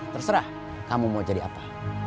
terserah kamu mau jadi apa